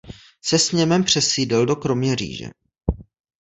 Se sněmem přesídlil do Kroměříže.